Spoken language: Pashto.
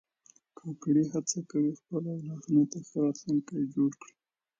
کاکړي هڅه کوي خپلو اولادونو ته ښه راتلونکی جوړ کړي.